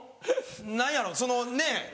何やろそのねっ。